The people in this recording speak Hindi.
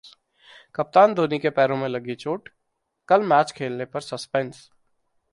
कप्तान धोनी के पैर में लगी चोट, कल मैच खेलने पर सस्पेंस